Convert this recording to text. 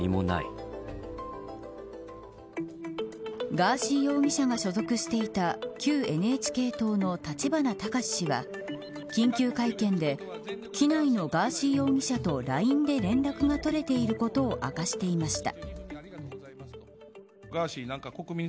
ガーシー容疑者が所属していた旧ＮＨＫ党の立花孝志氏は緊急会見で機内のガーシー容疑者とＬＩＮＥで連絡が取れていることを明かしていました。